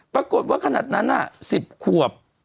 ปรากฏว่าขนาดนั้น๑๐ขวบ